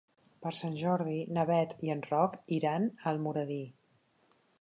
Per Sant Jordi na Beth i en Roc iran a Almoradí.